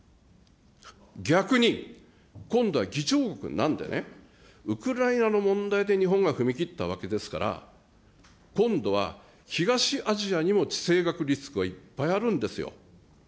逆に、今度は議長国なんでね、ウクライナの問題で日本が踏み切ったわけですから、今度は東アジアにも地政学リスクはいっぱいあるんですよ。